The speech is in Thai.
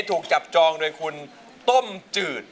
ถูกจับจองโดยคุณต้มจืด